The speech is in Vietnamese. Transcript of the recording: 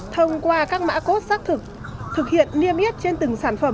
thông qua các mã cốt xác thực thực hiện niêm yết trên từng sản phẩm